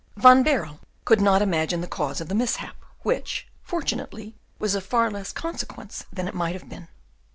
Van Baerle could not imagine the cause of the mishap, which, fortunately, was of far less consequence than it might have been.